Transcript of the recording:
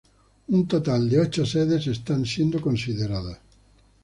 Un total de ocho sedes están siendo consideradas.